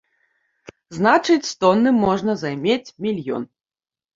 Значыць, з тоны можна займець мільён.